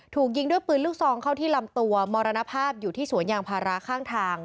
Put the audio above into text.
ถูกยิงด้วยปืนลูกซองเข้าที่ลำตัวมรณภาพอยู่ที่สวนยางพาราข้างทาง